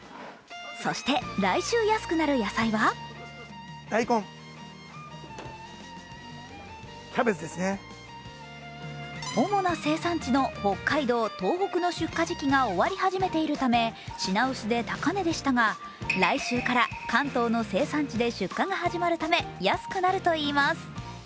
そして来週安くなる野菜は主な生産地の北海道、東北の出荷時期が終わり始めているため、品薄で高値でしたが、来週から関東の生産地で出荷が始まるため、安くなるといいます。